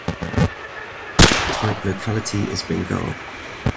Type locality is Bengal.